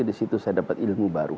di situ saya dapat ilmu baru